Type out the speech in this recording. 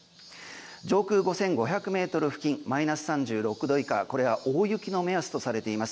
上空５５００ｍ付近マイナス３６度以下これは大雪の目安とされています。